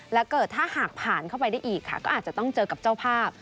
และเกิดถ้าหากผ่านเข้าไปได้อีกค่ะก็อาจจะต้องเจอกับเจ้าภาพ